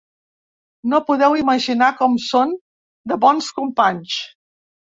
No podeu imaginar com són de bons companys.